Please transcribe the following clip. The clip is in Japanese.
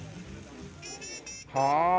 はあ。